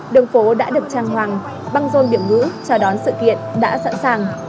đường phố đã được trang hoàng băng rôn biển ngữ chờ đón sự kiện đã sẵn sàng